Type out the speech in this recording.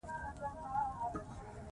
پامیر د افغانستان د بشري فرهنګ برخه ده.